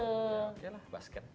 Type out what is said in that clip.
ya oke lah basket